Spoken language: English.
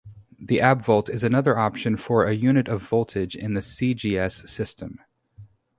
The abvolt is another option for a unit of voltage in the cgs system.